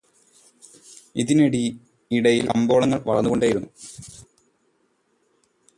ഇതിനിടയിൽ കമ്പോളങ്ങൾ വളർന്നുകൊണ്ടേയിരുന്നു.